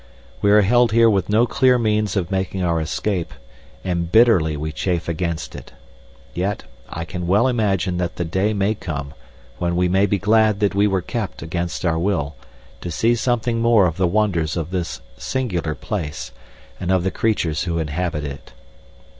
We are held here with no clear means of making our escape, and bitterly we chafe against it. Yet, I can well imagine that the day may come when we may be glad that we were kept, against our will, to see something more of the wonders of this singular place, and of the creatures who inhabit it.